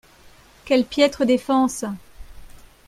Quelle piètre défense